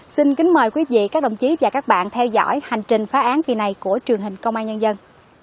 xin kính mời quý vị các đồng chí và các bạn theo dõi hành trình phá án kỳ này của truyền hình công an nhân dân